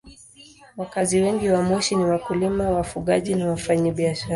Wakazi wengi wa Moshi ni wakulima, wafugaji na wafanyabiashara.